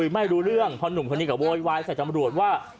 ไม่รู้เรื่องเพราะหนุ่มคนนี้ก็โวยวายใส่ตำรวจว่า